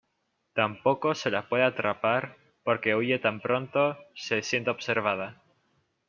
Tampoco se la puede atrapar porque huye tan pronto se siente observada.